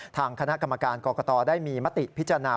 ทางคณะกรรมการกรกตได้มีมติพิจารณา